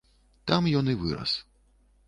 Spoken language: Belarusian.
Там ён і вырас.